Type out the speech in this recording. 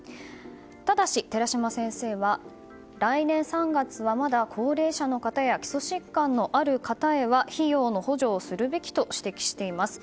ただし、寺嶋先生は来年３月はまだ高齢者の方や基礎疾患のある方へは費用の補助をするべきと指摘しています。